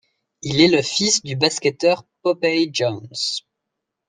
Il est le fils du basketteur Popeye Jones.